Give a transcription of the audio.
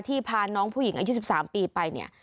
พาน้องผู้หญิงอายุ๑๓ปีไปเนี่ย